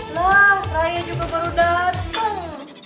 lah raya juga baru dateng